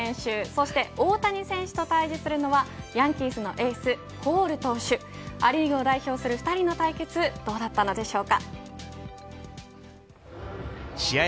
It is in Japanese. そして大谷選手と対峙するのはヤンキースのエースコール投手ア・リーグを代表する２人の対決試合